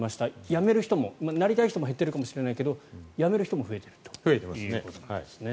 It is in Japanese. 辞める人もなりたい人も減ってるかもしれないけど辞める人も増えているということなんですね。